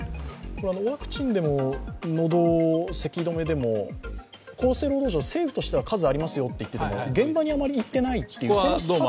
ワクチンでもせき止めでも厚生労働省、政府としては数はありますよと言っていますが、現場にあまり行っていないっていうその差っていうのは？